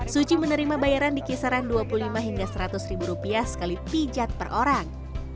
suci menerima bayaran di kisaran dua puluh lima hingga seratus ribu rupiah sekali pijat per orang